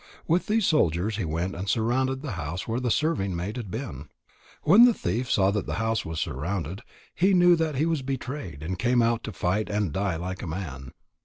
With these soldiers he went and surrounded the house where the serving maid had been. When the thief saw that the house was surrounded, he knew that he was betrayed, and came out to fight and die like a man.